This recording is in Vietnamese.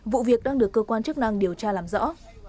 vụ việc đang được cơ quan chức năng điều tra làm rõ